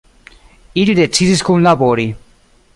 Ili decidis kunlabori.